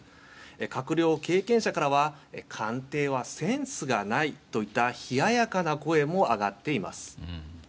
閣僚経験者からは官邸はセンスがないといった冷ややかな声も上がっています。